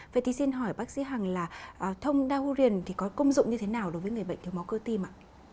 vậy thì xin hỏi bác sĩ hằng là thông dagurien thì có công dụng như thế nào đối với người bệnh thiếu máu cơ tim ạ